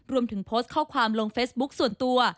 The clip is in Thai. รวมถึงโพสต์ข้อความลงเฟซบุ๊คส่วนตัว